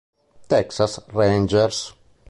Texas Rangers